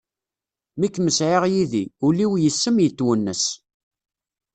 Mi kem-sɛiɣ yid-i, ul-iw yess-m yetwennes.